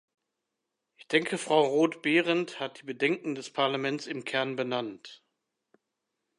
Ich denke, Frau Roth-Behrendt hat die Bedenken des Parlaments im Kern benannt.